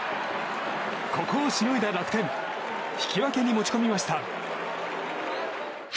ここをしのいだ楽天引き分けに持ち込みました。